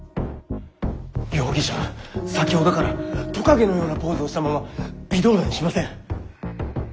容疑者先ほどからトカゲのようなポーズをしたまま微動だにしません。